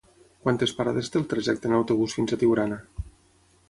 Quantes parades té el trajecte en autobús fins a Tiurana?